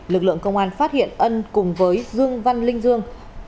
lực lượng công an phát hiện ân cùng với dương văn linh dương